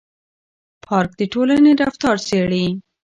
پارک د ټولنې رفتار څېړي.